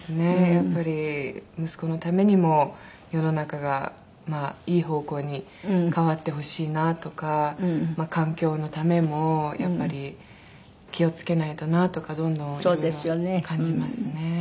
やっぱり息子のためにも世の中がいい方向に変わってほしいなとか環境のためもやっぱり気を付けないとなとかどんどんいろいろ感じますね。